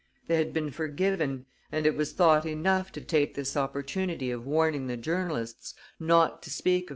They have been forgiven, and it was thought enough to take this opportunity of warning the journalists not to speak of M.